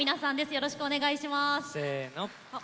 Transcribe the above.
よろしくお願いします！